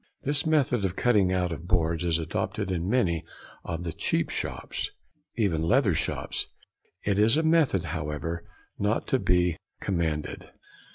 This method of cutting out of boards is adopted in many of the cheap shops (even leather shops). It is a method, however, not to be commended.